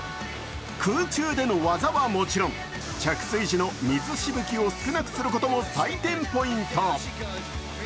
空中での技はもちろん着水時の水しぶきを少なくすることも採点ポイント。